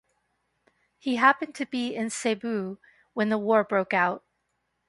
He happened to be in Cebu when the war broke out.